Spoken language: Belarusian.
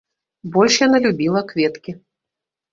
Больш яна любіла кветкі.